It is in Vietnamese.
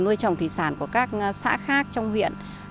nuôi trồng thủy sản của các xã khác trong huyện